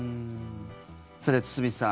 さて、堤さん